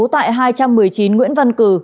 tại hai trăm một mươi chín nguyễn văn cử